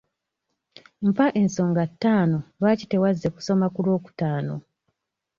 Mpa ensonga ttaano lwaki tewazze kusoma ku lwokutaano?